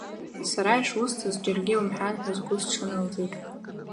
Сара ишусҭаз џьаргьы иумҳәан ҳәа сгәысҽанылҵеит…